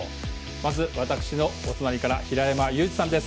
まず、私のお隣から平山ユージさんです。